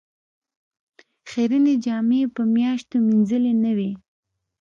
خیرنې جامې یې په میاشتو مینځلې نه وې.